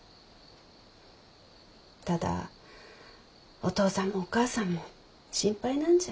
ただお父さんもお母さんも心配なんじゃ。